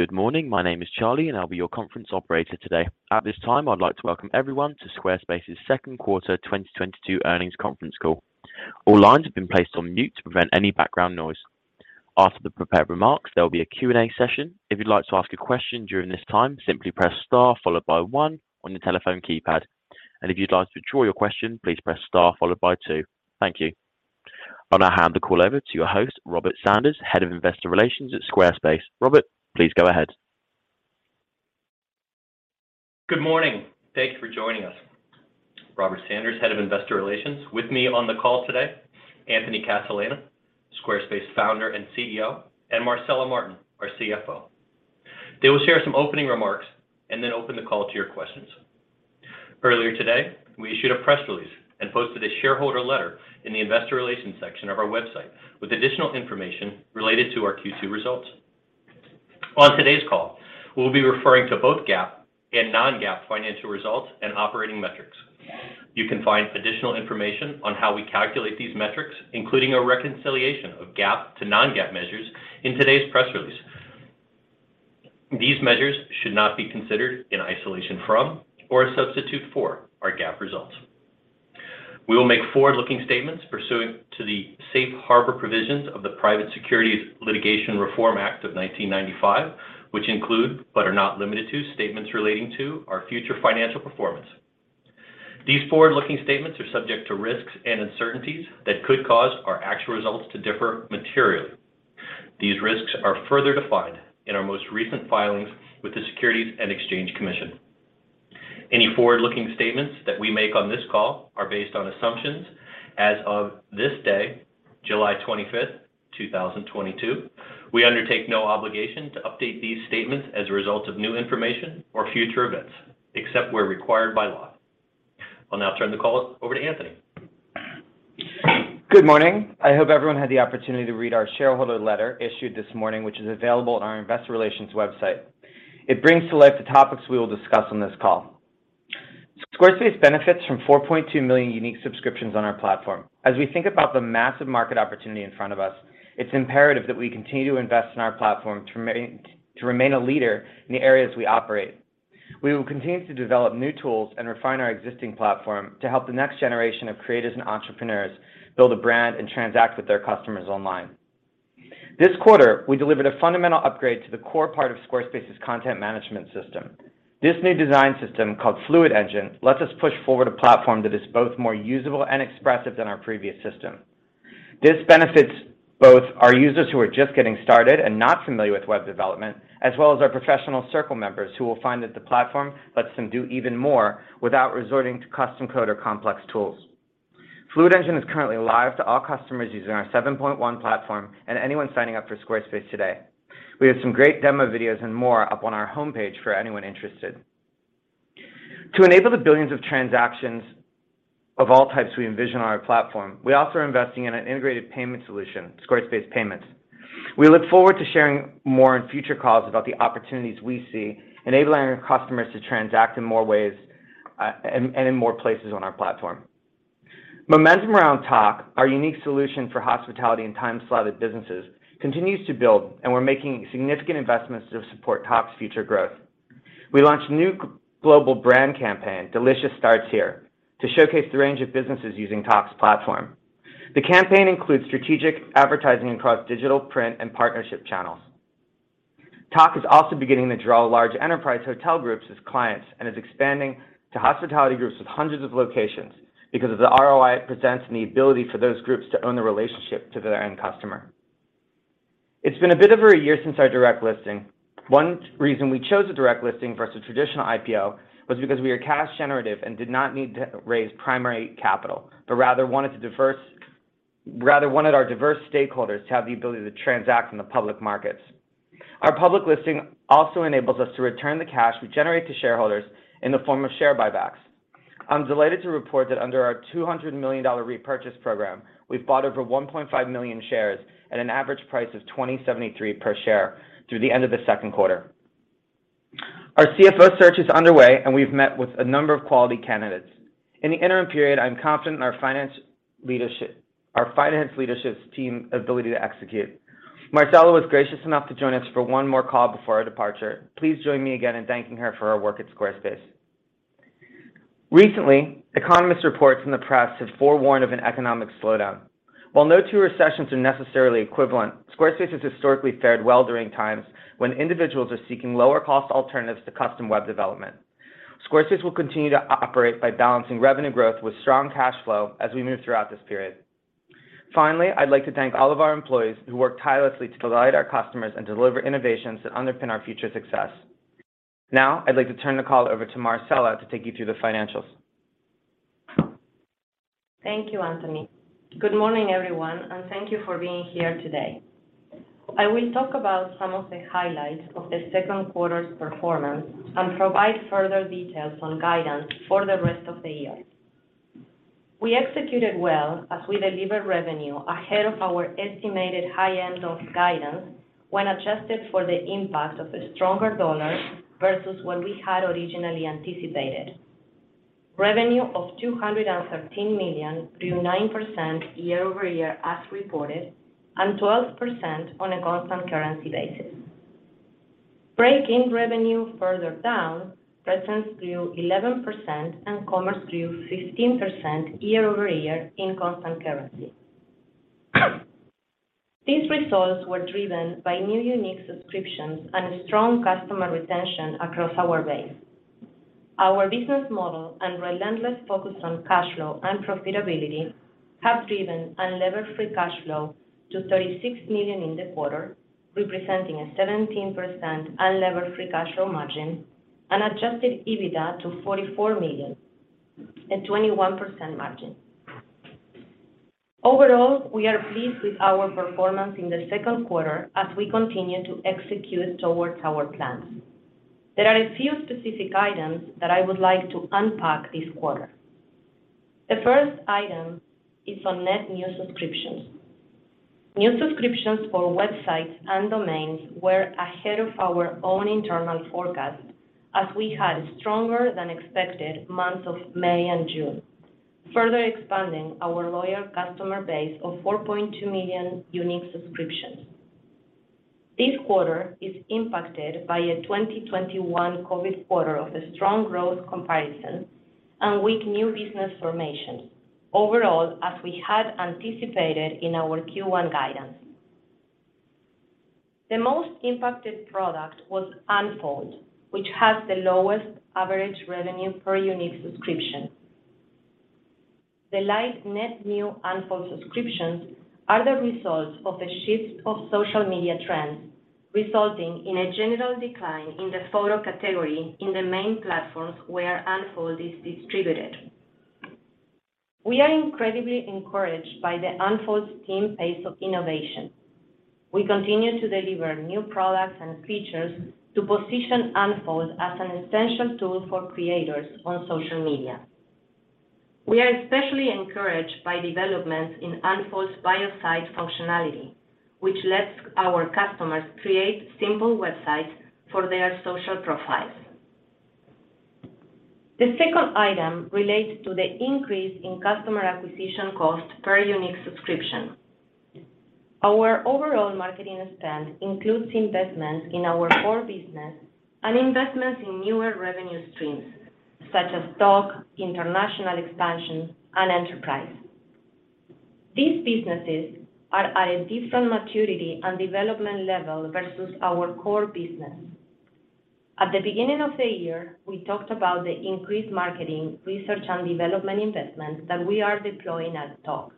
Good morning. My name is Charlie, and I'll be your conference operator today. At this time, I'd like to welcome everyone to Squarespace's second quarter 2022 earnings conference call. All lines have been placed on mute to prevent any background noise. After the prepared remarks, there will be a Q&A session. If you'd like to ask a question during this time, simply press star followed by one on your telephone keypad. If you'd like to withdraw your question, please press star followed by two. Thank you. I'll now hand the call over to your host, Robert Sanders, Head of Investor Relations at Squarespace. Robert, please go ahead. Good morning. Thank you for joining us. Robert Sanders, Head of Investor Relations. With me on the call today, Anthony Casalena, Squarespace Founder and CEO, and Marcela Martin, our CFO. They will share some opening remarks and then open the call to your questions. Earlier today, we issued a press release and posted a shareholder letter in the investor relations section of our website with additional information related to our Q2 results. On today's call, we'll be referring to both GAAP and non-GAAP financial results and operating metrics. You can find additional information on how we calculate these metrics, including a reconciliation of GAAP to non-GAAP measures in today's press release. These measures should not be considered in isolation from or a substitute for our GAAP results. We will make forward-looking statements pursuant to the Safe Harbor Provisions of the Private Securities Litigation Reform Act of 1995, which include, but are not limited to, statements relating to our future financial performance. These forward-looking statements are subject to risks and uncertainties that could cause our actual results to differ materially. These risks are further defined in our most recent filings with the Securities and Exchange Commission. Any forward-looking statements that we make on this call are based on assumptions as of this day, July 25, 2022. We undertake no obligation to update these statements as a result of new information or future events, except where required by law. I'll now turn the call over to Anthony. Good morning. I hope everyone had the opportunity to read our shareholder letter issued this morning, which is available on our investor relations website. It brings to life the topics we will discuss on this call. Squarespace benefits from 4.2 million unique subscriptions on our platform. As we think about the massive market opportunity in front of us, it's imperative that we continue to invest in our platform to remain a leader in the areas we operate. We will continue to develop new tools and refine our existing platform to help the next generation of creators and entrepreneurs build a brand and transact with their customers online. This quarter, we delivered a fundamental upgrade to the core part of Squarespace's content management system. This new design system called Fluid Engine lets us push forward a platform that is both more usable and expressive than our previous system. This benefits both our users who are just getting started and not familiar with web development, as well as our professional circle members who will find that the platform lets them do even more without resorting to custom code or complex tools. Fluid Engine is currently live to all customers using our 7.1 platform and anyone signing up for Squarespace today. We have some great demo videos and more up on our homepage for anyone interested. To enable the billions of transactions of all types we envision on our platform, we also are investing in an integrated payment solution, Squarespace Payments. We look forward to sharing more in future calls about the opportunities we see enabling our customers to transact in more ways, and in more places on our platform. Momentum around Tock, our unique solution for hospitality and time-slotted businesses, continues to build, and we're making significant investments to support Tock's future growth. We launched a new global brand campaign, Delicious Starts Here, to showcase the range of businesses using Tock's platform. The campaign includes strategic advertising across digital, print, and partnership channels. Tock is also beginning to draw large enterprise hotel groups as clients and is expanding to hospitality groups with hundreds of locations because of the ROI it presents and the ability for those groups to own the relationship to their end customer. It's been a bit over a year since our direct listing. One reason we chose a direct listing versus a traditional IPO was because we were cash generative and did not need to raise primary capital, but rather wanted our diverse stakeholders to have the ability to transact in the public markets. Our public listing also enables us to return the cash we generate to shareholders in the form of share buybacks. I'm delighted to report that under our $200 million repurchase program, we've bought over 1.5 million shares at an average price of $27.73 per share through the end of the second quarter. Our CFO search is underway, and we've met with a number of quality candidates. In the interim period, I'm confident in our finance leadership's team ability to execute. Marcela was gracious enough to join us for one more call before her departure. Please join me again in thanking her for her work at Squarespace. Recently, economist reports in the press have forewarned of an economic slowdown. While no two recessions are necessarily equivalent, Squarespace has historically fared well during times when individuals are seeking lower-cost alternatives to custom web development. Squarespace will continue to operate by balancing revenue growth with strong cash flow as we move throughout this period. Finally, I'd like to thank all of our employees who work tirelessly to delight our customers and deliver innovations that underpin our future success. Now, I'd like to turn the call over to Marcela to take you through the financials. Thank you, Anthony. Good morning, everyone, and thank you for being here today. I will talk about some of the highlights of the second quarter's performance and provide further details on guidance for the rest of the year. We executed well as we delivered revenue ahead of our estimated high end of guidance when adjusted for the impact of a stronger dollar versus what we had originally anticipated. Revenue of $213 million grew 9% year-over-year as reported, and 12% on a constant currency basis. Breaking revenue further down, Presence grew 11% and Commerce grew 15% year-over-year in constant currency. These results were driven by new unique subscriptions and strong customer retention across our base. Our business model and relentless focus on cash flow and profitability have driven unlevered free cash flow to $36 million in the quarter, representing a 17% unlevered free cash flow margin and adjusted EBITDA to $44 million, a 21% margin. Overall, we are pleased with our performance in the second quarter as we continue to execute towards our plans. There are a few specific items that I would like to unpack this quarter. The first item is on net new subscriptions. New subscriptions for websites and domains were ahead of our own internal forecast as we had stronger than expected months of May and June, further expanding our loyal customer base of 4.2 million unique subscriptions. This quarter is impacted by a 2021 COVID quarter of a strong growth comparison and weak new business formation. Overall, as we had anticipated in our Q1 guidance. The most impacted product was Unfold, which has the lowest average revenue per unique subscription. The slight net new Unfold subscriptions are the result of a shift of social media trends, resulting in a general decline in the photo category in the main platforms where Unfold is distributed. We are incredibly encouraged by the Unfold team's pace of innovation. We continue to deliver new products and features to position Unfold as an essential tool for creators on social media. We are especially encouraged by developments in Unfold's Bio Site functionality, which lets our customers create simple websites for their social profiles. The second item relates to the increase in customer acquisition cost per unique subscription. Our overall marketing spend includes investments in our core business and investments in newer revenue streams such as Tock, international expansion, and enterprise. These businesses are at a different maturity and development level versus our core business. At the beginning of the year, we talked about the increased marketing research and development investments that we are deploying at Tock.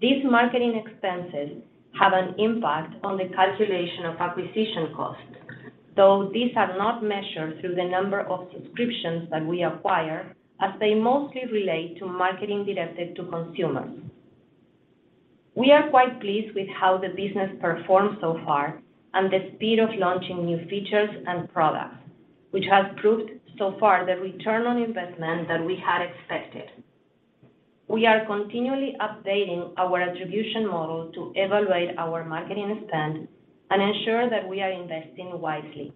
These marketing expenses have an impact on the calculation of acquisition costs, though these are not measured through the number of subscriptions that we acquire as they mostly relate to marketing directed to consumers. We are quite pleased with how the business performed so far and the speed of launching new features and products, which has proved so far the return on investment that we had expected. We are continually updating our attribution model to evaluate our marketing spend and ensure that we are investing wisely.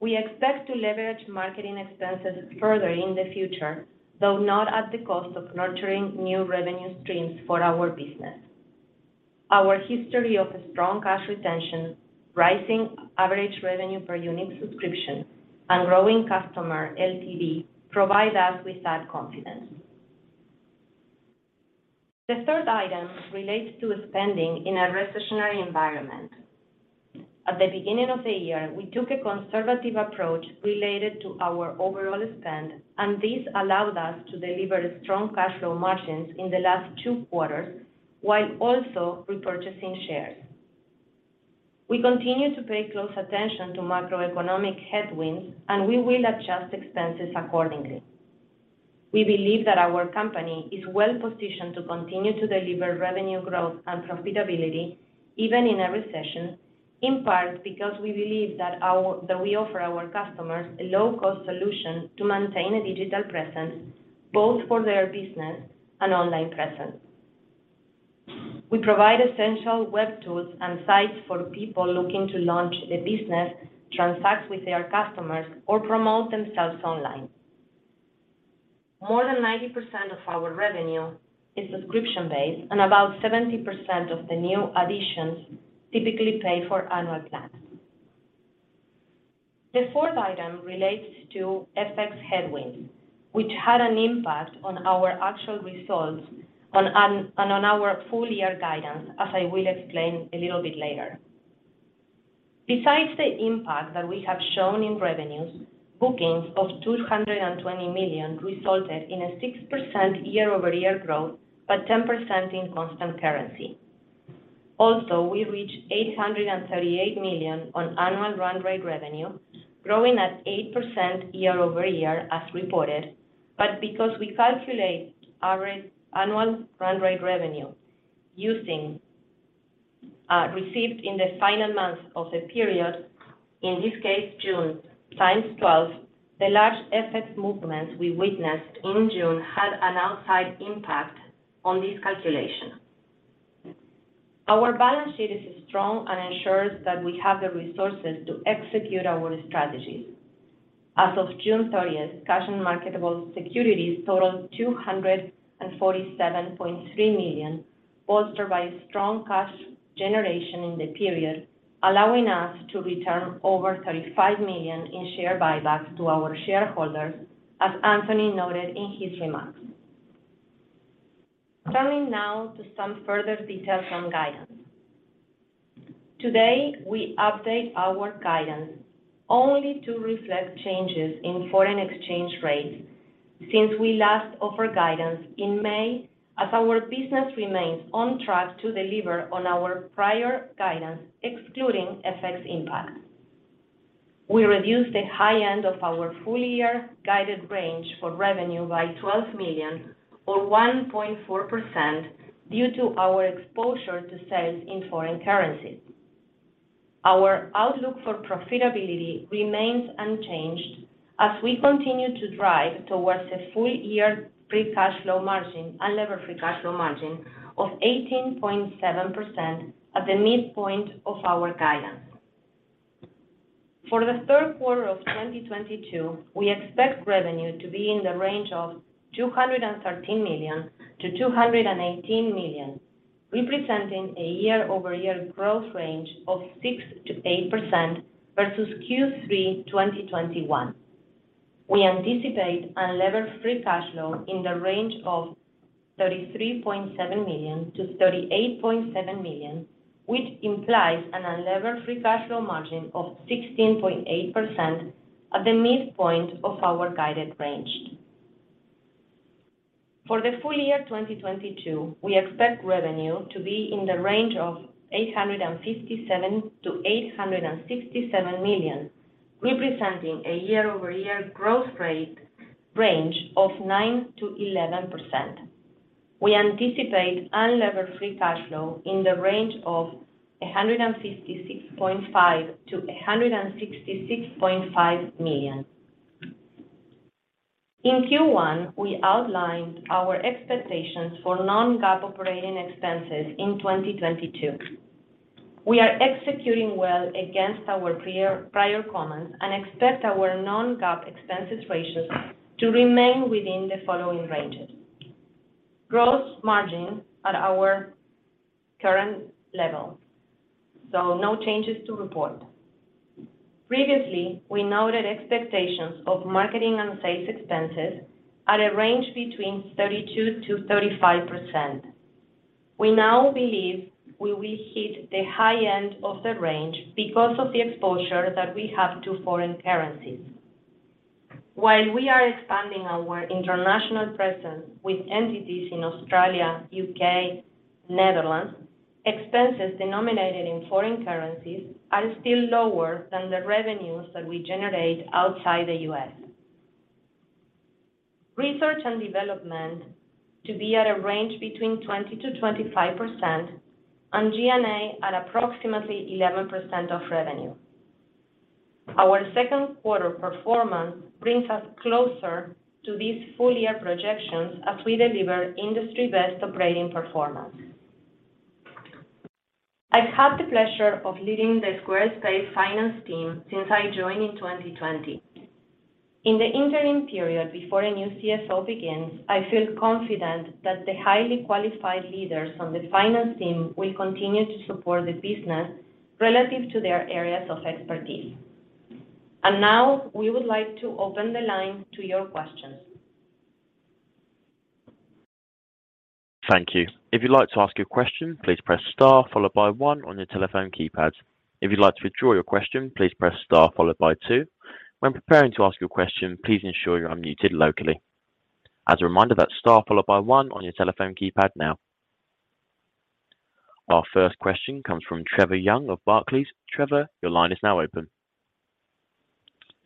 We expect to leverage marketing expenses further in the future, though not at the cost of nurturing new revenue streams for our business. Our history of strong cash retention, rising average revenue per unique subscription, and growing customer LTV provide us with that confidence. The third item relates to spending in a recessionary environment. At the beginning of the year, we took a conservative approach related to our overall spend, and this allowed us to deliver strong cash flow margins in the last two quarters while also repurchasing shares. We continue to pay close attention to macroeconomic headwinds, and we will adjust expenses accordingly. We believe that our company is well-positioned to continue to deliver revenue growth and profitability even in a recession, in part because we believe that we offer our customers a low-cost solution to maintain a digital presence, both for their business and online presence. We provide essential web tools and sites for people looking to launch a business, transact with their customers, or promote themselves online. More than 90% of our revenue is subscription-based, and about 70% of the new additions typically pay for annual plans. The fourth item relates to FX headwinds, which had an impact on our actual results and on our full-year guidance, as I will explain a little bit later. Besides the impact that we have shown in revenues, bookings of $220 million resulted in a 6% year-over-year growth, but 10% in constant currency. Also, we reached $838 million on annual run rate revenue, growing at 8% year-over-year as reported. Because we calculate our annual run rate revenue using revenue received in the final month of the period, in this case June times twelve, the large FX movements we witnessed in June had an outsized impact on this calculation. Our balance sheet is strong and ensures that we have the resources to execute our strategies. As of June thirtieth, cash and marketable securities totaled $247.3 million, bolstered by strong cash generation in the period, allowing us to return over $35 million in share buybacks to our shareholders, as Anthony noted in his remarks. Turning now to some further details on guidance. Today, we update our guidance only to reflect changes in foreign exchange rates since we last offered guidance in May, as our business remains on track to deliver on our prior guidance excluding FX impact. We reduced the high end of our full year guided range for revenue by $12 million or 1.4% due to our exposure to sales in foreign currency. Our outlook for profitability remains unchanged as we continue to drive towards a full year free cash flow margin, unlevered free cash flow margin of 18.7% at the midpoint of our guidance. For the third quarter of 2022, we expect revenue to be in the range of $213 million-$218 million, representing a year-over-year growth range of 6%-8% versus Q3 2021. We anticipate unlevered free cash flow in the range of $33.7 million-$38.7 million, which implies an unlevered free cash flow margin of 16.8% at the midpoint of our guided range. For the full year 2022, we expect revenue to be in the range of $857 million-$867 million, representing a year-over-year growth rate range of 9%-11%. We anticipate unlevered free cash flow in the range of $156.5 million-$166.5 million. In Q1, we outlined our expectations for non-GAAP operating expenses in 2022. We are executing well against our prior comments and expect our non-GAAP expense ratios to remain within the following ranges. Gross margin at our current level, so no changes to report. Previously, we noted expectations of marketing and sales expenses at a range between 32%-35%. We now believe we will hit the high end of the range because of the exposure that we have to foreign currencies. While we are expanding our international presence with entities in Australia, U.K., Netherlands, expenses denominated in foreign currencies are still lower than the revenues that we generate outside the U.S. Research and development to be at a range between 20%-25%, and G&A at approximately 11% of revenue. Our second quarter performance brings us closer to these full-year projections as we deliver industry-best operating performance. I've had the pleasure of leading the Squarespace finance team since I joined in 2020. In the interim period before a new CFO begins, I feel confident that the highly qualified leaders on the finance team will continue to support the business relative to their areas of expertise. Now, we would like to open the line to your questions. Thank you. If you'd like to ask a question, please press star followed by one on your telephone keypad. If you'd like to withdraw your question, please press star followed by two. When preparing to ask your question, please ensure you're unmuted locally. As a reminder, that's star followed by one on your telephone keypad now. Our first question comes from Trevor Young of Barclays. Trevor, your line is now open.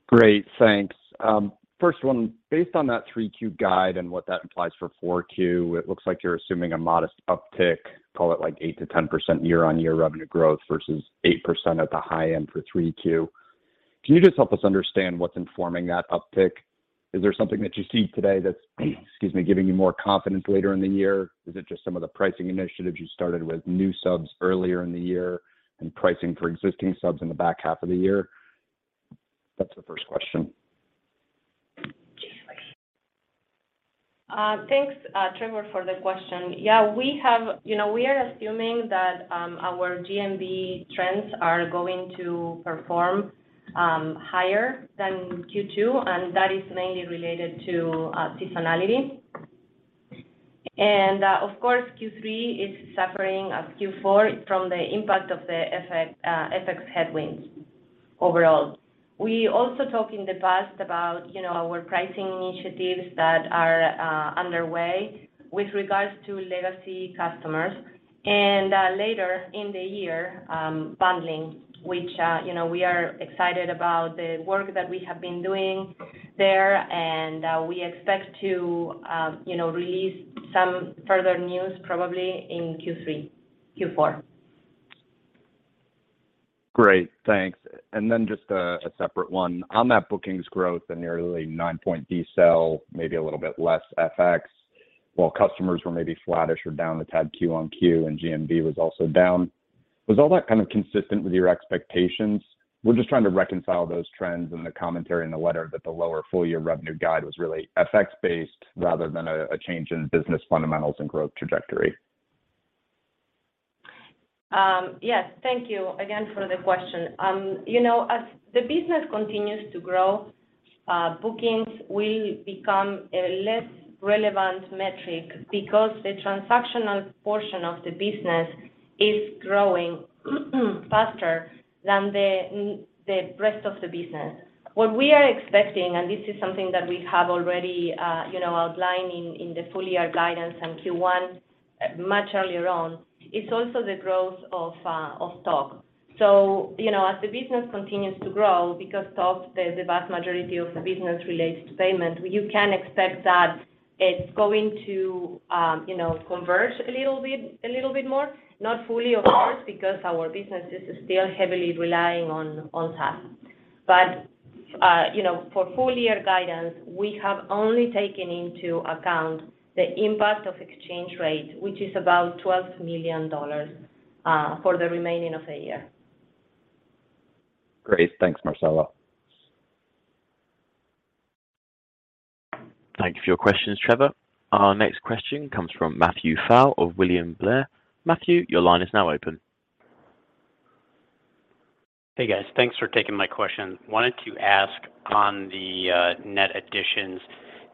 Great. Thanks. First one, based on that Q3 guide and what that implies for Q4, it looks like you're assuming a modest uptick, call it like 8%-10% year-over-year revenue growth versus 8% at the high end for Q3. Can you just help us understand what's informing that uptick? Is there something that you see today that's, excuse me, giving you more confidence later in the year? Is it just some of the pricing initiatives you started with new subs earlier in the year and pricing for existing subs in the back half of the year? That's the first question. Thanks, Trevor, for the question. Yeah, we have, you know, we are assuming that our GMV trends are going to perform higher than Q2, and that is mainly related to seasonality. Of course, Q3 is suffering, as Q4, from the impact of the FX headwinds overall. We also talked in the past about, you know, our pricing initiatives that are underway with regards to legacy customers. Later in the year, bundling, which, you know, we are excited about the work that we have been doing there. We expect to, you know, release some further news probably in Q3, Q4. Great. Thanks. Just a separate one. On that bookings growth, a nearly nine point decel, maybe a little bit less FX, while customers were maybe flattish or down a tad Q-on-Q, and GMV was also down. Was all that kind of consistent with your expectations? We're just trying to reconcile those trends and the commentary in the letter that the lower full year revenue guide was really FX based rather than a change in business fundamentals and growth trajectory. Yes. Thank you again for the question. You know, as the business continues to grow, bookings will become a less relevant metric because the transactional portion of the business is growing faster than the rest of the business. What we are expecting, and this is something that we have already, you know, outlined in the full year guidance and Q1 much earlier on, is also the growth of Tock. You know, as the business continues to grow, because Tock's the vast majority of the business relates to payment, you can expect that it's going to, you know, converge a little bit, a little bit more. Not fully, of course, because our business is still heavily relying on Tock. You know, for full year guidance, we have only taken into account the impact of exchange rate, which is about $12 million for the remainder of the year. Great. Thanks, Marcela. Thank you for your questions, Trevor. Our next question comes from Matthew Flynn of William Blair. Matthew, your line is now open. Hey, guys. Thanks for taking my question. Wanted to ask on the net additions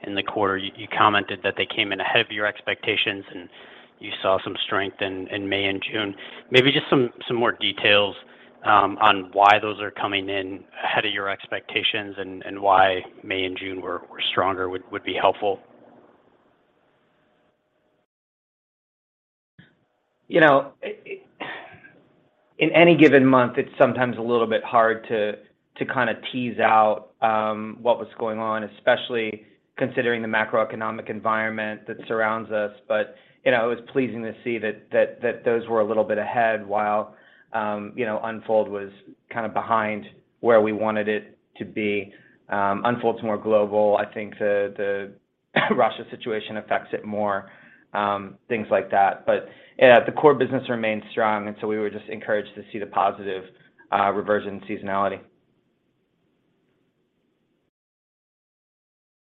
in the quarter. You commented that they came in ahead of your expectations, and you saw some strength in May and June. Maybe just some more details on why those are coming in ahead of your expectations and why May and June were stronger would be helpful. You know, in any given month, it's sometimes a little bit hard to kinda tease out what was going on, especially considering the macroeconomic environment that surrounds us. It was pleasing to see that those were a little bit ahead while Unfold was kind of behind where we wanted it to be. Unfold's more global. I think the Russia situation affects it more, things like that. Yeah, the core business remains strong, and so we were just encouraged to see the positive reversion seasonality.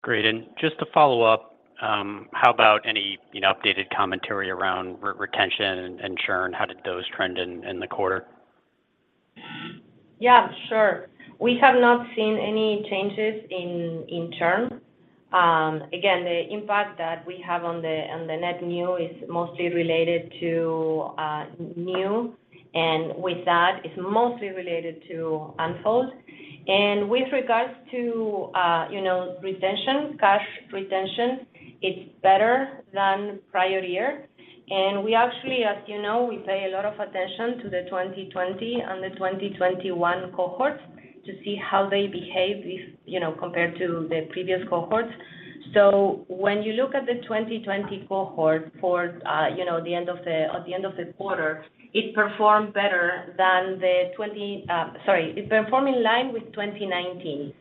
Great. Just to follow up, how about any, you know, updated commentary around retention and churn? How did those trend in the quarter? Yeah, sure. We have not seen any changes in churn. Again, the impact that we have on the net new is mostly related to new, and with that, it's mostly related to Unfold. With regards to retention, cash retention, it's better than prior year. We actually, as you know, we pay a lot of attention to the 2020 and the 2021 cohorts to see how they behave, you know, compared to the previous cohorts. When you look at the 2020 cohort at the end of the quarter, it performed better than the 2020. It performed in line with 2019.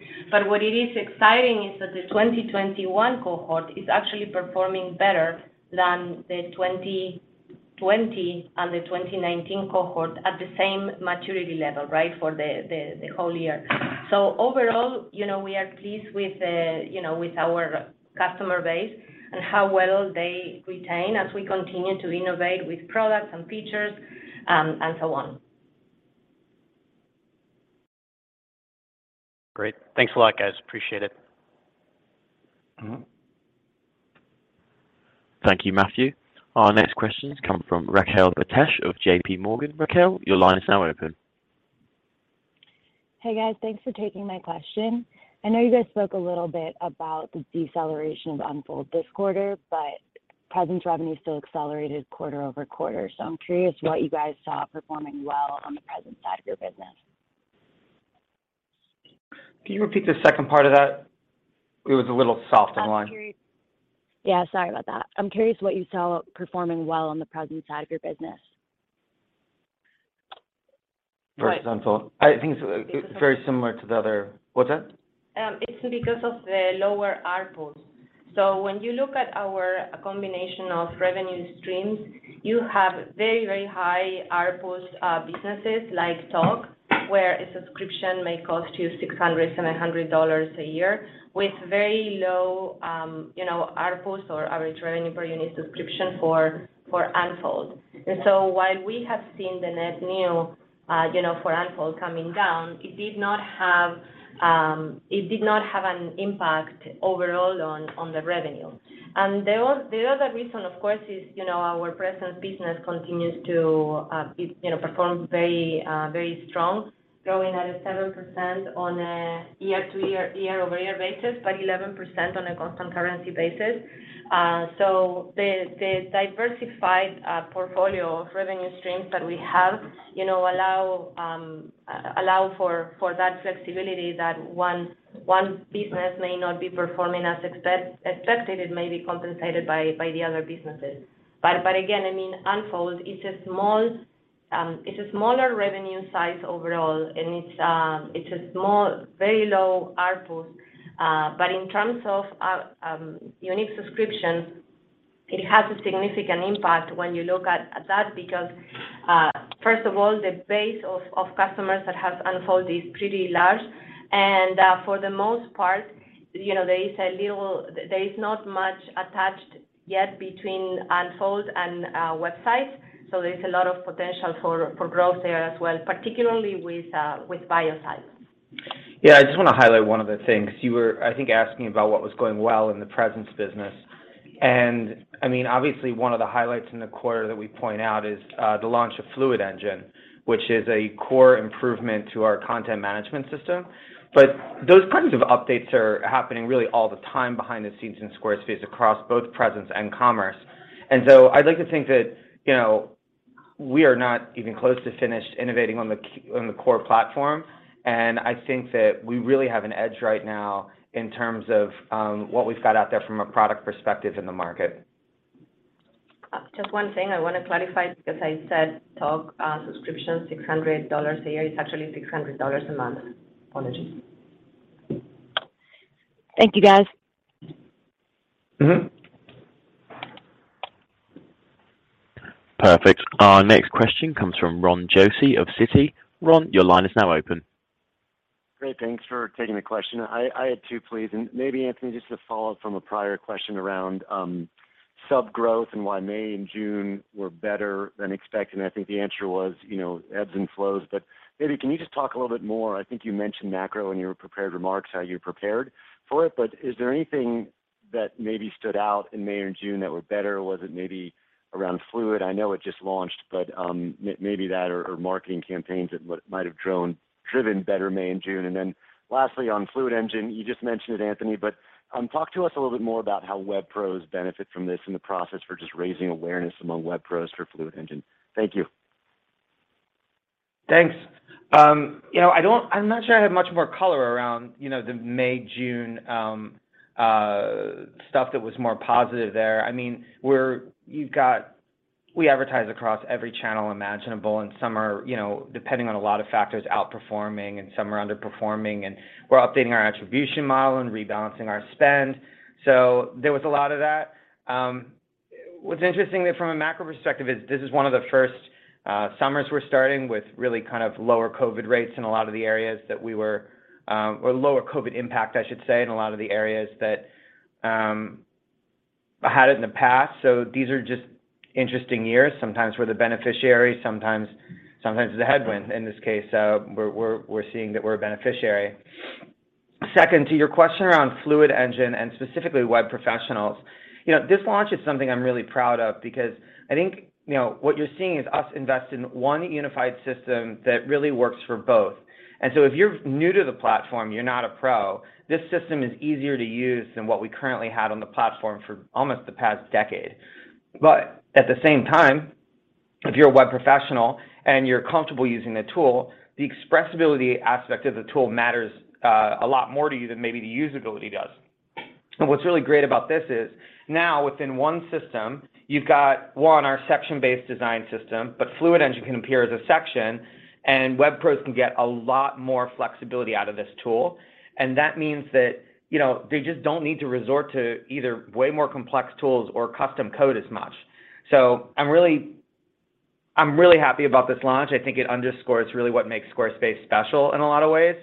What it is exciting is that the 2021 cohort is actually performing better than the 2020 and the 2019 cohort at the same maturity level, right, for the whole year. Overall, you know, we are pleased with the, you know, with our customer base and how well they retain as we continue to innovate with products and features, and so on. Great. Thanks a lot, guys. Appreciate it. Mm-hmm. Thank you, Matthew. Our next question comes from Raquel Betesh of JPMorgan. Raquel, your line is now open. Hey, guys. Thanks for taking my question. I know you guys spoke a little bit about the deceleration of Unfold this quarter, but Presence revenue still accelerated quarter over quarter. I'm curious what you guys saw performing well on the Presence side of your business. Can you repeat the second part of that? It was a little soft online. I'm curious what you saw performing well on the Presence side of your business. Right. For Unfold. I think it's very similar to the other. What's that? It's because of the lower ARPU. When you look at our combination of revenue streams, you have very, very high ARPU businesses like Tock, where a subscription may cost you $600-$700 a year, with very low, you know, ARPUs or average revenue per unit subscription for Unfold. While we have seen the net new, you know, for Unfold coming down, it did not have an impact overall on the revenue. The other reason, of course, is, you know, our Presence business continues to, it, you know, perform very, very strong, growing at a 7% on a year-over-year basis, but 11% on a constant currency basis. The diversified portfolio of revenue streams that we have, you know, allow for that flexibility that one business may not be performing as expected. It may be compensated by the other businesses. But again, I mean, Unfold is a small, it's a smaller revenue size overall, and it's a small, very low ARPU. But in terms of unique subscriptions, it has a significant impact when you look at that, because first of all, the base of customers that have Unfold is pretty large. For the most part, you know, there is not much attached yet between Unfold and websites. There is a lot of potential for growth there as well, particularly with Bio Sites. Yeah. I just wanna highlight one of the things. You were, I think, asking about what was going well in the Presence business. I mean, obviously one of the highlights in the quarter that we point out is the launch of Fluid Engine, which is a core improvement to our content management system. Those kinds of updates are happening really all the time behind the scenes in Squarespace across both Presence and Commerce. I'd like to think that, you know, we are not even close to finished innovating on the core platform, and I think that we really have an edge right now in terms of what we've got out there from a product perspective in the market. Just one thing I wanna clarify, because I said Tock subscription $600 a year. It's actually $600 a month. Apologies. Thank you, guys. Mm-hmm. Perfect. Our next question comes from Ron Josey of Citi. Ron, your line is now open. Great. Thanks for taking the question. I had two, please. Maybe, Anthony, just to follow up from a prior question around sub growth and why May and June were better than expected. I think the answer was, you know, ebbs and flows. Maybe can you just talk a little bit more? I think you mentioned macro in your prepared remarks, how you prepared for it. Is there anything that maybe stood out in May or June that were better? Was it maybe around Fluid? I know it just launched, but maybe that or marketing campaigns that might have driven better May and June. Lastly, on Fluid Engine, you just mentioned it, Anthony, but talk to us a little bit more about how web pros benefit from this in the process for just raising awareness among web pros for Fluid Engine? Thank you. Thanks. You know, I'm not sure I have much more color around, you know, the May, June stuff that was more positive there. I mean, we advertise across every channel imaginable, and some are, you know, depending on a lot of factors, outperforming and some are underperforming, and we're updating our attribution model and rebalancing our spend. So there was a lot of that. What's interesting from a macro perspective is this is one of the first summers we're starting with really kind of lower COVID rates in a lot of the areas that we were, or lower COVID impact, I should say, in a lot of the areas that had it in the past. So these are just interesting years, sometimes we're the beneficiary, sometimes the headwind. In this case, we're seeing that we're a beneficiary. Second, to your question around Fluid Engine and specifically web professionals. You know, this launch is something I'm really proud of because I think, you know, what you're seeing is us invest in one unified system that really works for both. If you're new to the platform, you're not a pro, this system is easier to use than what we currently had on the platform for almost the past decade. At the same time, if you're a web professional and you're comfortable using the tool, the expressibility aspect of the tool matters a lot more to you than maybe the usability does. What's really great about this is now within one system, you've got, one, our section-based design system, but Fluid Engine can appear as a section, and web pros can get a lot more flexibility out of this tool. That means that, you know, they just don't need to resort to either way more complex tools or custom code as much. I'm really happy about this launch. I think it underscores really what makes Squarespace special in a lot of ways,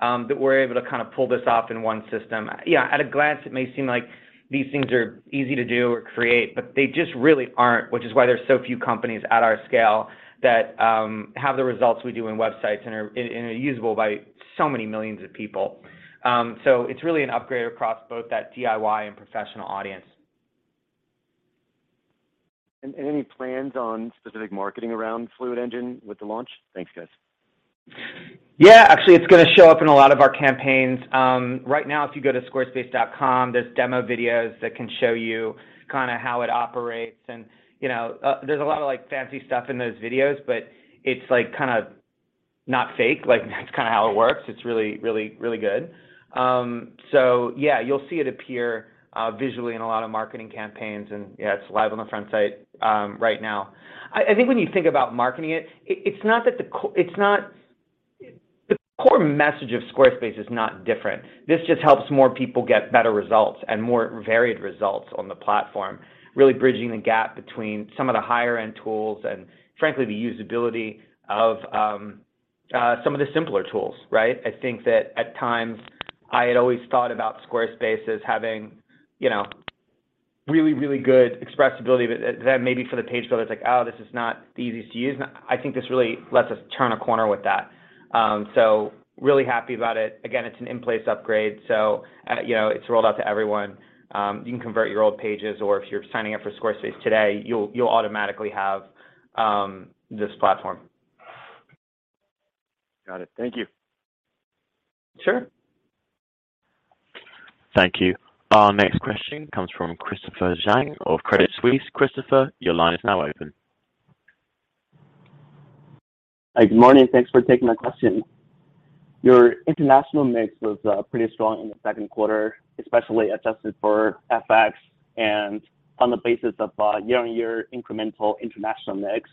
that we're able to kind of pull this off in one system. Yeah, at a glance, it may seem like these things are easy to do or create, but they just really aren't, which is why there's so few companies at our scale that have the results we do in websites and are usable by so many millions of people. It's really an upgrade across both that DIY and professional audience. Any plans on specific marketing around Fluid Engine with the launch? Thanks, guys. Yeah, actually, it's gonna show up in a lot of our campaigns. Right now, if you go to Squarespace.com, there's demo videos that can show you kinda how it operates. You know, there's a lot of, like, fancy stuff in those videos, but it's, like, kinda not fake. Like, that's kinda how it works. It's really good. Yeah, you'll see it appear visually in a lot of marketing campaigns, and yeah, it's live on the front site right now. I think when you think about marketing it's not. The core message of Squarespace is not different. This just helps more people get better results and more varied results on the platform, really bridging the gap between some of the higher-end tools and frankly, the usability of some of the simpler tools, right? I think that at times I had always thought about Squarespace as having, you know, really, really good expressibility that maybe for the page builder, it's like, "Oh, this is not the easiest to use." I think this really lets us turn a corner with that. Really happy about it. Again, it's an in-place upgrade, so you know, it's rolled out to everyone. You can convert your old pages, or if you're signing up for Squarespace today, you'll automatically have this platform. Got it. Thank you. Sure. Thank you. Our next question comes from Christopher Zhang of Credit Suisse. Christopher, your line is now open. Good morning. Thanks for taking my question. Your international mix was pretty strong in the second quarter, especially adjusted for FX and on the basis of year-on-year incremental international mix.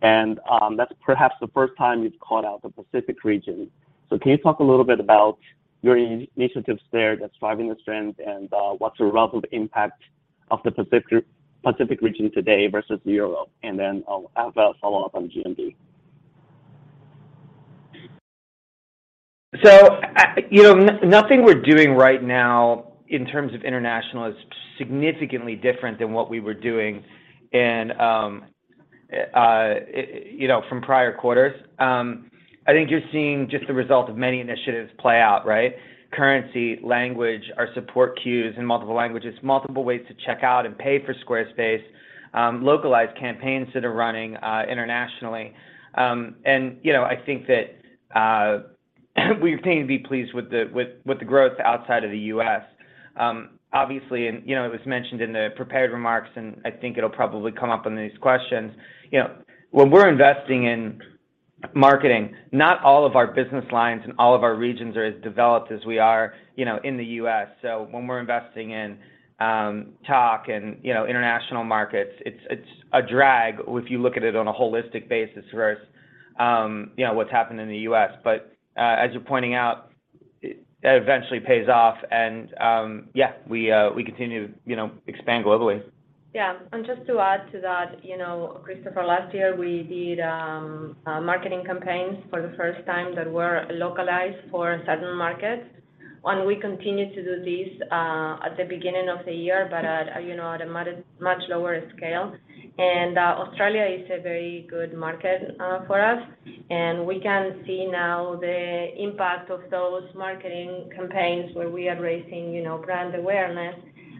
That's perhaps the first time you've called out the Pacific region. Can you talk a little bit about your initiatives there that's driving the strength and what's the relative impact of the Pacific region today versus Europe? I'll have a follow-up on GMV. Nothing we're doing right now in terms of international is significantly different than what we were doing in, you know, from prior quarters. I think you're seeing just the result of many initiatives play out, right? Currency, language, our support queues in multiple languages, multiple ways to check out and pay for Squarespace, localized campaigns that are running internationally. You know, I think that we continue to be pleased with the growth outside of the U.S. Obviously, it was mentioned in the prepared remarks, and I think it'll probably come up in these questions, you know, when we're investing in marketing, not all of our business lines and all of our regions are as developed as we are, you know, in the U.S. When we're investing in Tock and, you know, international markets, it's a drag if you look at it on a holistic basis versus, you know, what's happened in the US. As you're pointing out, that eventually pays off, and yeah, we continue to, you know, expand globally. Yeah. Just to add to that, you know, Christopher, last year, we did marketing campaigns for the first time that were localized for certain markets, and we continued to do this at the beginning of the year, but at a much lower scale. Australia is a very good market for us, and we can see now the impact of those marketing campaigns where we are raising, you know, brand awareness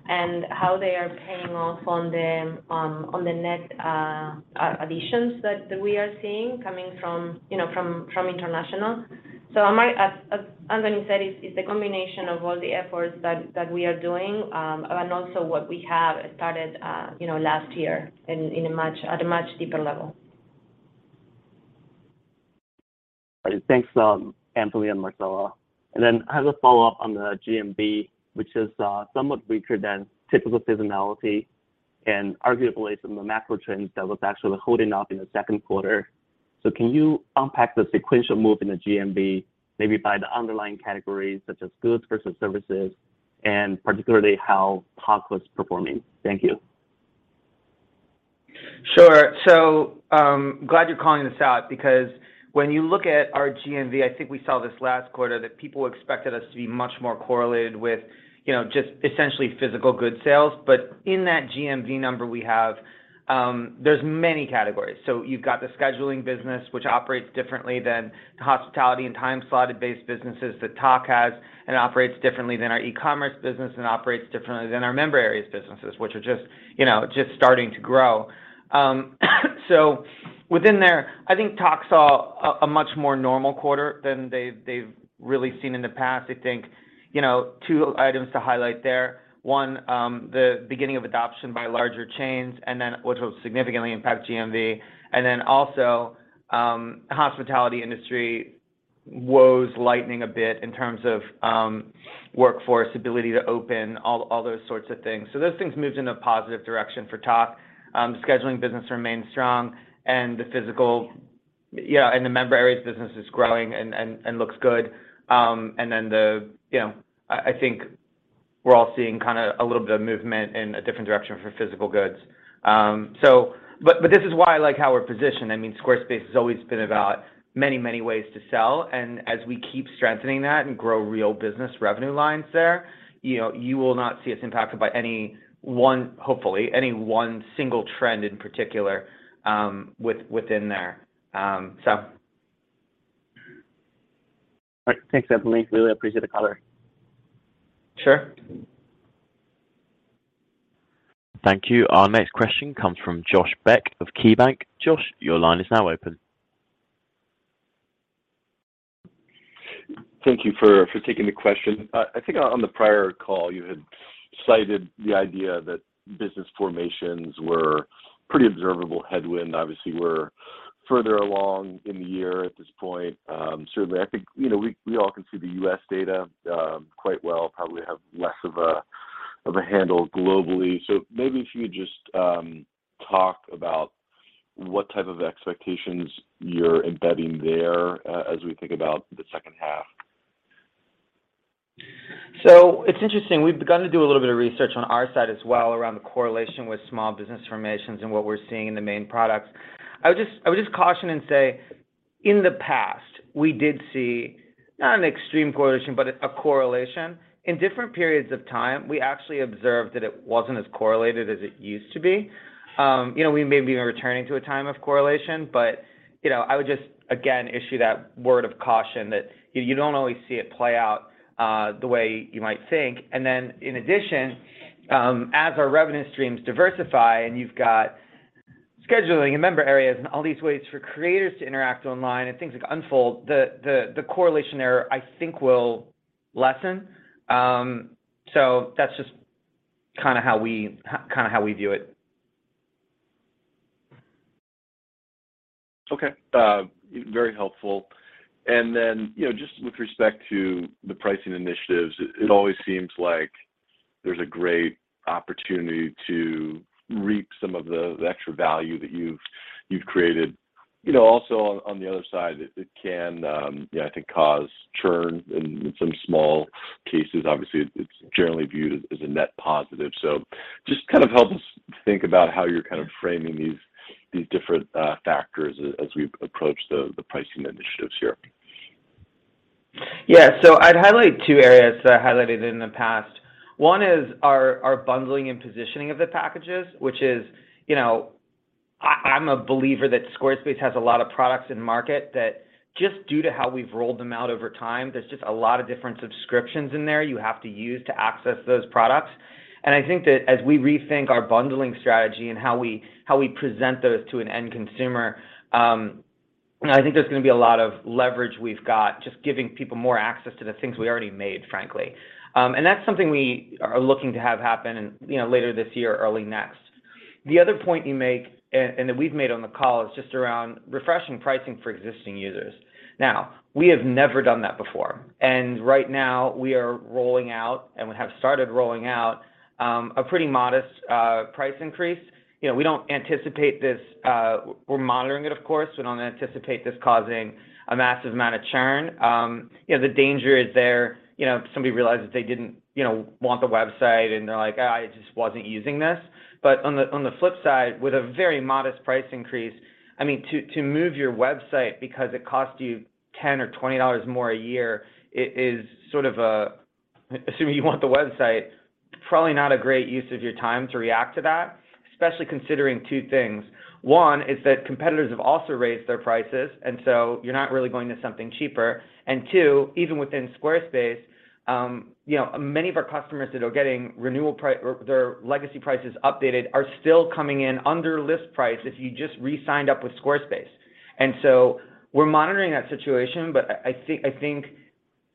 and how they are paying off on the net additions that we are seeing coming from international. As Anthony said, it's a combination of all the efforts that we are doing and also what we have started last year at a much deeper level. Thanks, Anthony and Marcela. I have a follow-up on the GMV, which is somewhat weaker than typical seasonality, and arguably some of the macro trends that was actually holding up in the second quarter. Can you unpack the sequential move in the GMV, maybe by the underlying categories such as goods versus services, and particularly how Tock was performing? Thank you. Sure. Glad you're calling this out because when you look at our GMV, I think we saw this last quarter that people expected us to be much more correlated with, you know, just essentially physical good sales. In that GMV number we have, there's many categories. You've got the scheduling business, which operates differently than hospitality and time-slotted based businesses that Tock has and operates differently than our e-commerce business and operates differently than our Member Areas businesses, which are just, you know, just starting to grow. Within there, I think Tock saw a much more normal quarter than they've really seen in the past. I think, you know, two items to highlight there. One, the beginning of adoption by larger chains, and then which will significantly impact GMV. Then also, hospitality industry woes lightening a bit in terms of, workforce ability to open, all those sorts of things. Those things moved in a positive direction for Tock. The scheduling business remained strong, and the Member Areas business is growing and looks good. You know, I think we're all seeing kinda a little bit of movement in a different direction for physical goods. But this is why I like how we're positioned. I mean, Squarespace has always been about many, many ways to sell. As we keep strengthening that and grow real business revenue lines there, you know, you will not see us impacted by any one, hopefully, any one single trend in particular, within there. All right. Thanks, Anthony. Really appreciate the color. Sure. Thank you. Our next question comes from Josh Beck of KeyBanc. Josh, your line is now open. Thank you for taking the question. I think on the prior call, you had cited the idea that business formations were pretty observable headwind. Obviously, we're further along in the year at this point. Certainly, I think, you know, we all can see the U.S. data quite well, probably have less of a handle globally. Maybe if you just talk about what type of expectations you're embedding there as we think about the second half. It's interesting. We've begun to do a little bit of research on our side as well around the correlation with small business formations and what we're seeing in the main products. I would just caution and say, in the past, we did see not an extreme correlation, but a correlation. In different periods of time, we actually observed that it wasn't as correlated as it used to be. You know, we may even be returning to a time of correlation, but, you know, I would just again issue that word of caution that you don't always see it play out the way you might think. In addition, as our revenue streams diversify, and you've got scheduling and Member Areas and all these ways for creators to interact online and Unfold, the correlation there, I think will lessen. That's just kind of how we view it. Okay. Very helpful. You know, just with respect to the pricing initiatives, it always seems like there's a great opportunity to reap some of the extra value that you've created. You know, also on the other side, it can, you know, I think cause churn in some small cases. Obviously, it's generally viewed as a net positive. Just kind of help us think about how you're kind of framing these different factors as we approach the pricing initiatives here. Yeah. I'd highlight two areas that I highlighted in the past. One is our bundling and positioning of the packages, which is, you know, I'm a believer that Squarespace has a lot of products in market that just due to how we've rolled them out over time, there's just a lot of different subscriptions in there you have to use to access those products. I think that as we rethink our bundling strategy and how we present those to an end consumer, I think there's gonna be a lot of leverage we've got just giving people more access to the things we already made, frankly. That's something we are looking to have happen in, you know, later this year or early next. The other point you make, and that we've made on the call is just around refreshing pricing for existing users. Now, we have never done that before. Right now we have started rolling out a pretty modest price increase. You know, we don't anticipate this. We're monitoring it, of course. We don't anticipate this causing a massive amount of churn. You know, the danger is there, you know, somebody realizes they didn't, you know, want the website, and they're like, "Oh, I just wasn't using this." On the flip side, with a very modest price increase, I mean, to move your website because it costs you $10 or $20 more a year is sort of a, assuming you want the website, probably not a great use of your time to react to that, especially considering two things. One is that competitors have also raised their prices, and so you're not really going to something cheaper. Two, even within Squarespace, you know, many of our customers that are getting renewal or their legacy prices updated are still coming in under list price if you just re-signed up with Squarespace. We're monitoring that situation, but I think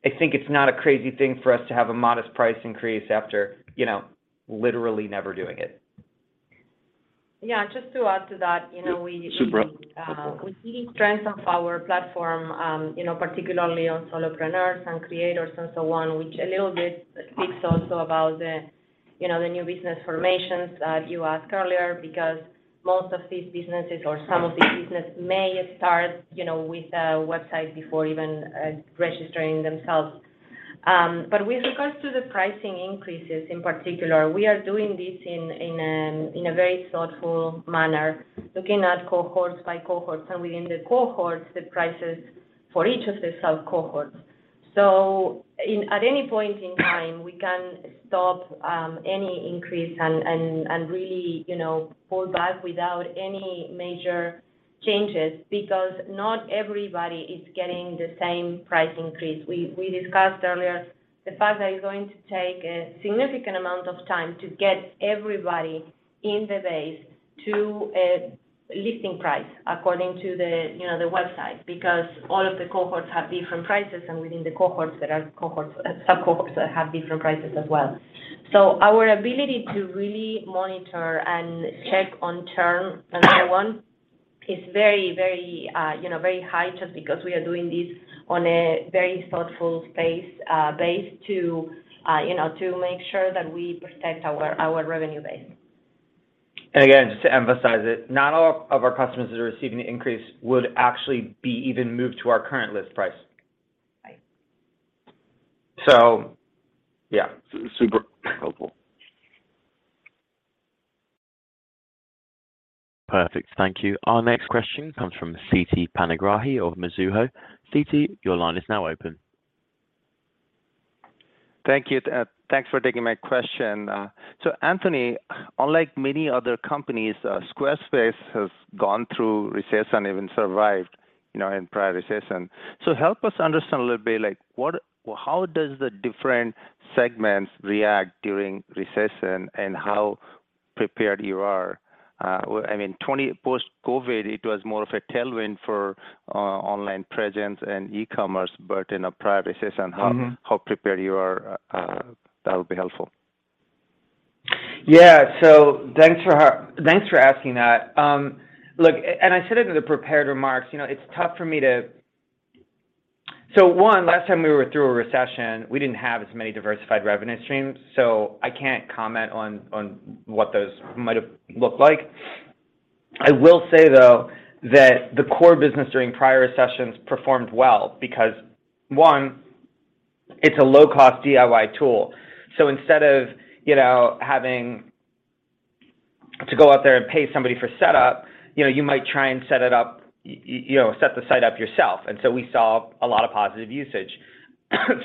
it's not a crazy thing for us to have a modest price increase after, you know, literally never doing it. Yeah. Just to add to that, you know, we-. Yeah. Super. We see strength of our platform, you know, particularly on solopreneurs and creators and so on, which a little bit speaks also about the, you know, the new business formations that you asked earlier because most of these businesses or some of these business may start, you know, with a website before even registering themselves. With regards to the pricing increases in particular, we are doing this in a very thoughtful manner, looking at cohorts by cohorts, and within the cohorts, the prices for each of the sub-cohorts. At any point in time, we can stop any increase and really, you know, pull back without any major changes because not everybody is getting the same price increase. We discussed earlier the fact that it's going to take a significant amount of time to get everybody in the base to a list price according to the, you know, the website. Because all of the cohorts have different prices, and within the cohorts, there are cohorts, sub-cohorts that have different prices as well. Our ability to really monitor and check on churn and that one is very, you know, very high just because we are doing this on a very thoughtful pace based on, you know, to make sure that we protect our revenue base. Again, just to emphasize it, not all of our customers that are receiving the increase would actually be even moved to our current list price. Right. Yeah. Super helpful. Perfect. Thank you. Our next question comes from Siti Panigrahi of Mizuho. Siti, your line is now open. Thank you. Thanks for taking my question. Anthony, unlike many other companies, Squarespace has gone through recession, even survived, you know, in prior recession. Help us understand a little bit like how does the different segments react during recession, and how prepared you are? I mean, post-COVID, it was more of a tailwind for online presence and e-commerce, but in a prior recession. Mm-hmm. how prepared you are, that would be helpful. Thanks for asking that. Look, and I said it in the prepared remarks, you know, it's tough for me to. One, last time we were through a recession, we didn't have as many diversified revenue streams, so I can't comment on what those might have looked like. I will say, though, that the core business during prior recessions performed well because, one, it's a low-cost DIY tool. Instead of, you know, having to go out there and pay somebody for setup, you know, you might try and set it up, you know, set the site up yourself. We saw a lot of positive usage.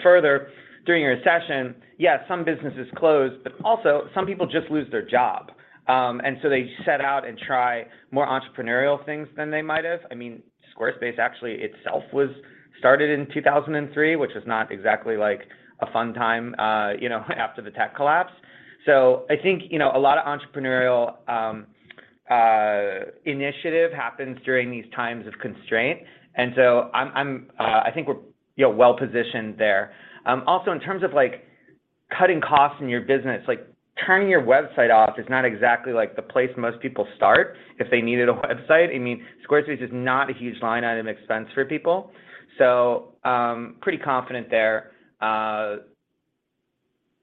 Further, during a recession, yes, some businesses close, but also some people just lose their job. They set out and try more entrepreneurial things than they might have. I mean, Squarespace actually itself was started in 2003, which is not exactly like a fun time, you know, after the tech collapse. I think, you know, a lot of entrepreneurial initiative happens during these times of constraint. I think we're, you know, well-positioned there. Also in terms of like cutting costs in your business, like turning your website off is not exactly like the place most people start if they needed a website. I mean, Squarespace is not a huge line item expense for people. Pretty confident there,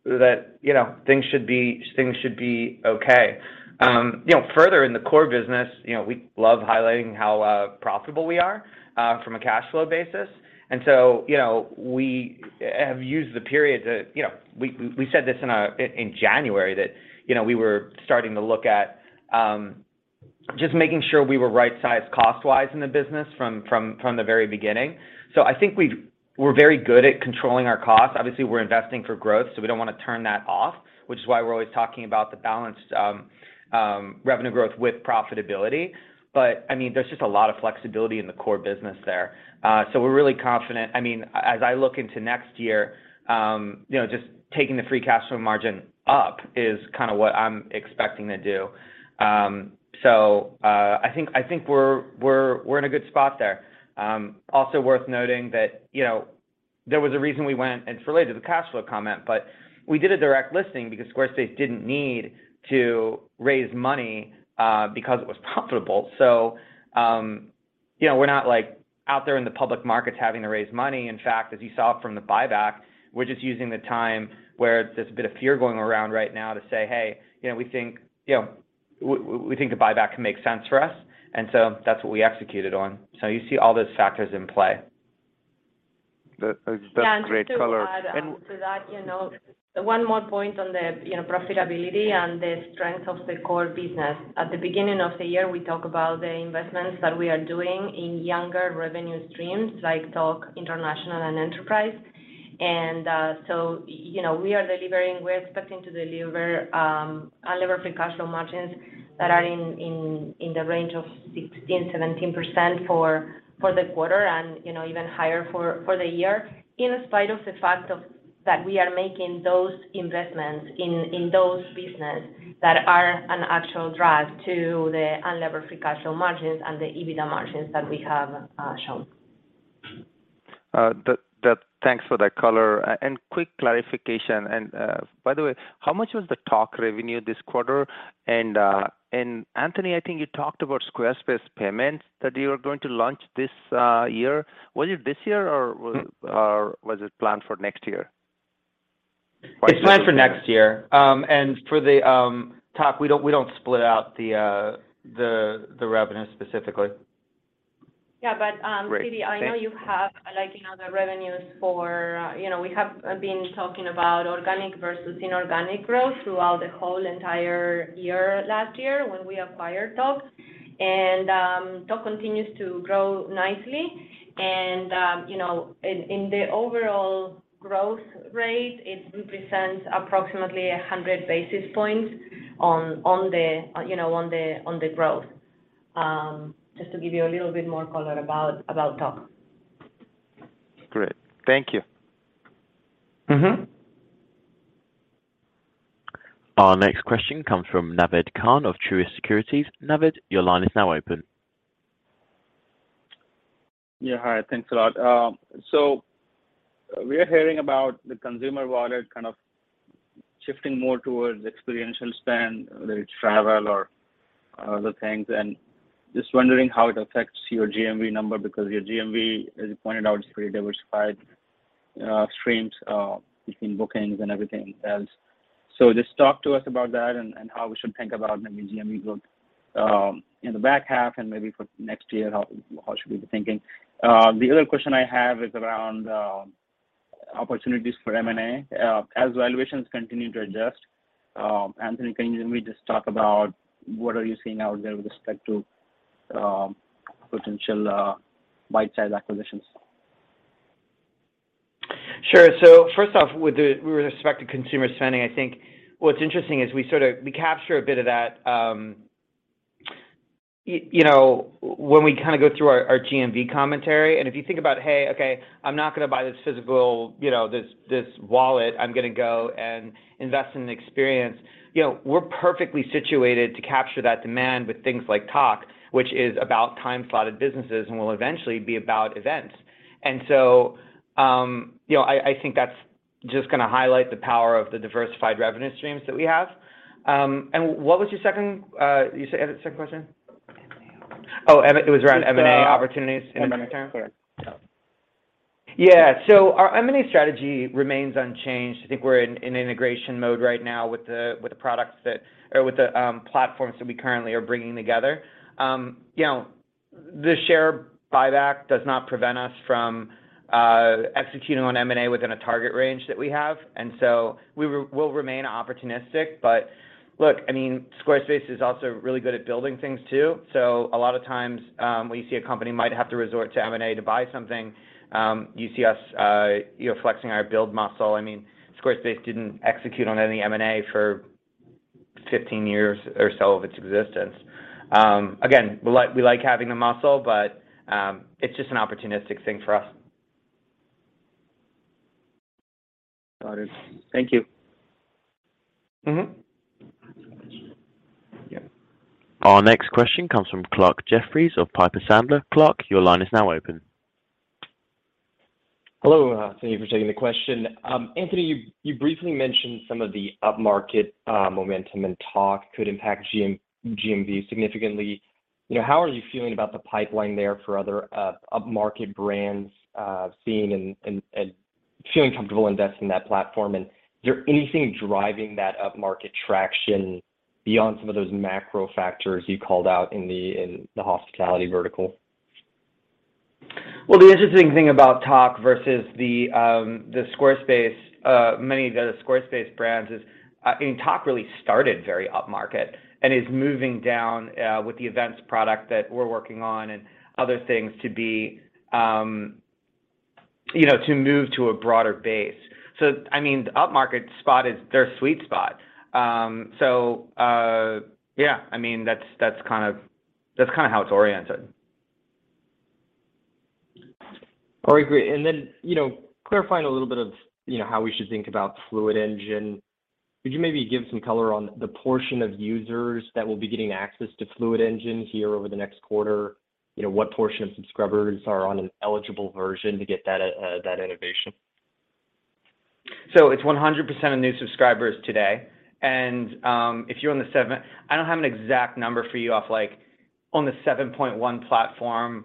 that, you know, things should be okay. You know, further in the core business, you know, we love highlighting how profitable we are from a cash flow basis. You know, we have used the period to... You know, we said this in January that, you know, we were starting to look at just making sure we were right-sized cost-wise in the business from the very beginning. I think we're very good at controlling our costs. Obviously, we're investing for growth, so we don't want to turn that off, which is why we're always talking about the balanced revenue growth with profitability. I mean, there's just a lot of flexibility in the core business there. We're really confident. I mean, as I look into next year, just taking the free cash flow margin up is kinda what I'm expecting to do. I think we're in a good spot there. Also worth noting that, you know, there was a reason we went, and it's related to the cash flow comment, but we did a direct listing because Squarespace didn't need to raise money, because it was profitable. You know, we're not like out there in the public markets having to raise money. In fact, as you saw from the buyback, we're just using the time where there's a bit of fear going around right now to say, "Hey, you know, we think, you know, we think the buyback can make sense for us." That's what we executed on. You see all those factors in play. That's great color. Yeah. Just to add to that, you know, one more point on the profitability and the strength of the core business. At the beginning of the year, we talk about the investments that we are doing in younger revenue streams like Tock, International, and Enterprise. So, you know, we are delivering, we're expecting to deliver unlevered free cash flow margins that are in the range of 16%-17% for the quarter and, you know, even higher for the year, in spite of the fact that we are making those investments in those business that actually drive the unlevered free cash flow margins and the EBITDA margins that we have shown. Thanks for that color. Quick clarification. By the way, how much was the Tock revenue this quarter? Anthony, I think you talked about Squarespace Payments that you are going to launch this year. Was it this year or was it planned for next year? It's planned for next year. For the Tock, we don't split out the revenue specifically. Yeah. Great. Thank you. Siti, I know you have, like, you know, the revenues. You know, we have been talking about organic versus inorganic growth throughout the whole entire year last year when we acquired Tock. Tock continues to grow nicely. You know, in the overall growth rate, it represents approximately 100 basis points on the growth. Just to give you a little bit more color about Tock. Great. Thank you. Mm-hmm. Our next question comes from Naved Khan of Truist Securities. Naved, your line is now open. Yeah. Hi. Thanks a lot. We are hearing about the consumer wallet kind of shifting more towards experiential spend, whether it's travel or other things. Just wondering how it affects your GMV number because your GMV, as you pointed out, is pretty diversified streams between bookings and everything else. Just talk to us about that and how we should think about maybe GMV growth in the back half and maybe for next year, how should we be thinking. The other question I have is around opportunities for M&A. As valuations continue to adjust, Anthony, can you maybe just talk about what are you seeing out there with respect to potential bite-sized acquisitions? Sure. First off, with respect to consumer spending, I think what's interesting is we capture a bit of that, you know, when we kinda go through our GMV commentary. If you think about, "Hey, okay, I'm not gonna buy this physical, you know, this wallet. I'm gonna go and invest in an experience," you know, we're perfectly situated to capture that demand with things like Tock, which is about time-slotted businesses and will eventually be about events. You know, I think that's just gonna highlight the power of the diversified revenue streams that we have. What was your second question? You said second question? M&A opportunities. Oh, it was around M&A opportunities in the near term? M&A, correct. Yeah. Our M&A strategy remains unchanged. I think we're in integration mode right now with the platforms that we currently are bringing together. You know, the share buyback does not prevent us from executing on M&A within a target range that we have. We'll remain opportunistic. Look, I mean, Squarespace is also really good at building things too. A lot of times, when you see a company might have to resort to M&A to buy something, you see us, you know, flexing our build muscle. I mean, Squarespace didn't execute on any M&A for 15 years or so of its existence. Again, we like having the muscle, but it's just an opportunistic thing for us. Got it. Thank you. Mm-hmm. Our next question comes from Clarke Jeffries of Piper Sandler. Clarke, your line is now open. Hello. Thank you for taking the question. Anthony, you briefly mentioned some of the upmarket momentum and Tock could impact GMV significantly. How are you feeling about the pipeline there for other upmarket brands seeing and feeling comfortable investing in that platform? Is there anything driving that upmarket traction beyond some of those macro factors you called out in the hospitality vertical? Well, the interesting thing about Tock versus the Squarespace, many of the other Squarespace brands is, I mean, Tock really started very upmarket and is moving down with the events product that we're working on and other things to be, you know, to move to a broader base. I mean, the upmarket spot is their sweet spot. Yeah, I mean, that's kinda how it's oriented. All right, great. You know, clarifying a little bit of, you know, how we should think about Fluid Engine. Could you maybe give some color on the portion of users that will be getting access to Fluid Engine here over the next quarter? You know, what portion of subscribers are on an eligible version to get that innovation? It's 100% of new subscribers today. If you're on the 7.1 platform, I don't have an exact number for you of like on the 7.1 platform,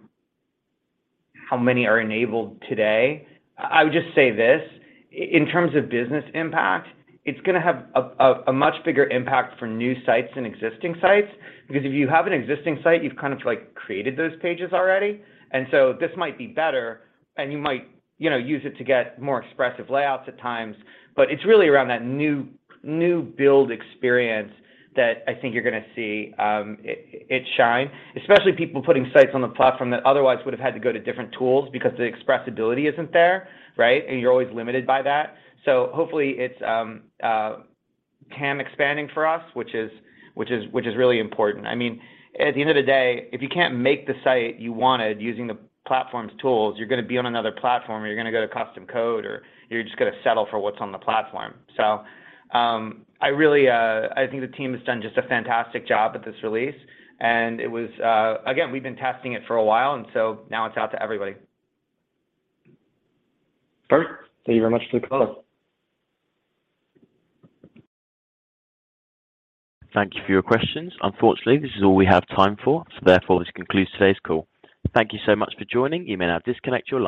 how many are enabled today. I would just say this, in terms of business impact, it's gonna have a much bigger impact for new sites than existing sites. Because if you have an existing site, you've kind of like created those pages already. This might be better and you might, you know, use it to get more expressive layouts at times. But it's really around that new build experience that I think you're gonna see it shine, especially people putting sites on the platform that otherwise would have had to go to different tools because the expressibility isn't there, right? You're always limited by that. Hopefully it's TAM expanding for us, which is really important. I mean, at the end of the day, if you can't make the site you wanted using the platform's tools, you're gonna be on another platform, or you're gonna go to custom code, or you're just gonna settle for what's on the platform. I really think the team has done just a fantastic job with this release, and it was. Again, we've been testing it for a while, and now it's out to everybody. Perfect. Thank you very much for the color. Thank you for your questions. Unfortunately, this is all we have time for. Therefore, this concludes today's call. Thank you so much for joining. You may now disconnect your line.